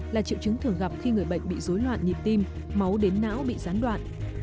là triệu chứng thường gặp khi người bệnh bị dối loạn nhịp tim máu đến não bị gián đoạn